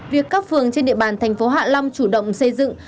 việc các phường trên địa bàn thành phố hạ long chủ động xây dựng